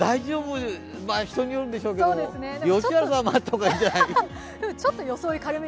人によるんでしょうけど、良原さんは待った方がいいと思いますね。